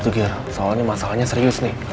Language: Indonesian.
tuh ger soalnya masalahnya serius nih